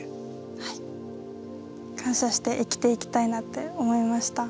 はい。感謝して生きていきたいなって思いました。